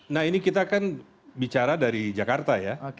nah ini kita kan bicara dari jakarta ya